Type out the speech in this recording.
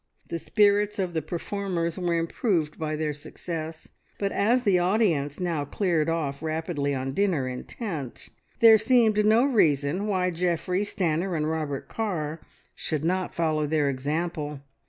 The spirits of the performers were improved by their success, but as the audience now cleared off rapidly on dinner intent, there seemed no reason why Geoffrey, Stanor, and Robert Carr should not follow their example.